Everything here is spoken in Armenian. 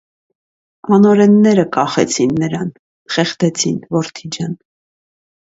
Անօրենները կախեցին նրան, խեղդեցին, որդի ջան.